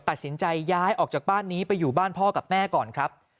ตัดสินใจย้ายออกจากบ้านนี้ไปอยู่บ้านพ่อกับแม่ก่อนครับ